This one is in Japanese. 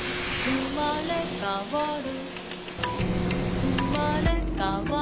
「うまれかわる」